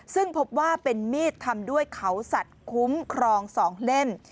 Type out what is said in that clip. ซึ่งพบว่าเป็นมีดทำด้วยเขาสัตว์คุ้มครอง๒เล่ม